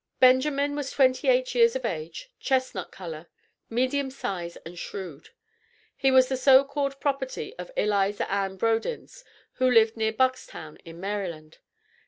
Benjamin was twenty eight years of age, chestnut color, medium size, and shrewd. He was the so called property of Eliza Ann Brodins, who lived near Buckstown, in Maryland.